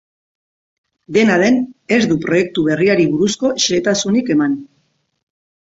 Dena den, ez du proiektu berriari buruzko xehetasunik eman.